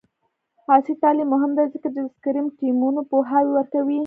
عصري تعلیم مهم دی ځکه چې د سکرم ټیمونو پوهاوی ورکوي.